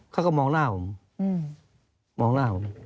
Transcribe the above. เขาก็มองหน้าผม